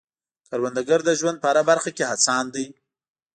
کروندګر د ژوند په هره برخه کې هڅاند دی